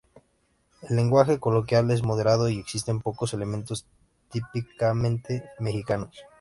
El lenguaje coloquial es moderado, y existen pocos elementos típicamente mexicanos.